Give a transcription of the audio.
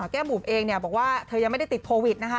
แก้มบุ๋มเองบอกว่าเธอยังไม่ได้ติดโควิดนะคะ